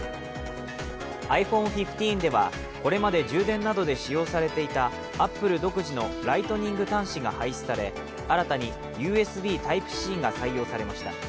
ｉＰｈｏｎｅ１５ではこれまで充電などで使用されていた、アップル独自のライトニング端子が廃止され新たにＵＳＢＴｙｐｅ−Ｃが採用されました。